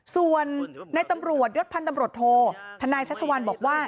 ส่วนในตำรวจยศพันธ์ตำรวจโทธนายชัชวัลบอกว่า